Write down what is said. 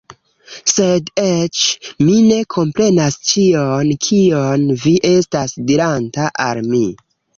Sed eĉ... Mi ne komprenas ĉion kion vi estas diranta al mi